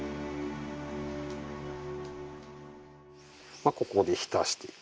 まあここで浸していく